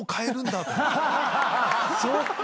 そっか！